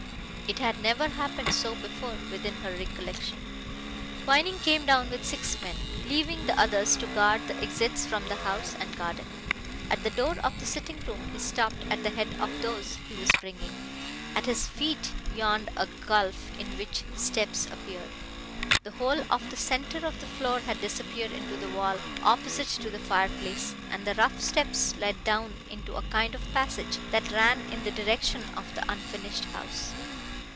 It had never happened so before within her recollection. Twining came down with six men, leaving the others to guard the exits from the house and garden. At the door of the sitting room he stopped at the head of those he was bringing. At his feet yawned a gulf in which steps appeared. The whole of the centre of the floor had disappeared into the wall opposite to the fireplace, and the rough steps led down into a kind of passage that ran in the direction of the unfinished house.